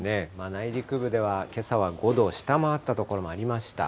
内陸部ではけさは５度を下回った所もありました。